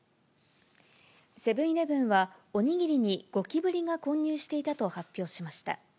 セブンーイレブンは、お握りにゴキブリが混入していたと発表しました。